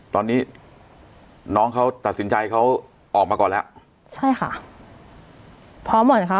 ตอนนี้น้องเขาตัดสินใจเขาออกมาก่อนแล้วใช่ค่ะพร้อมหมดนะคะ